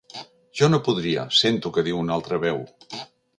Jo no podria —sento que diu una altra veu.